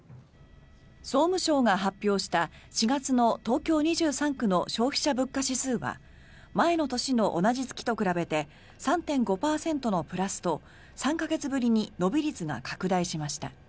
総務省が発表した、４月の東京２３区の消費者物価指数は前の年の同じ月と比べて３．５％のプラスと３か月ぶりに伸び率が拡大しました。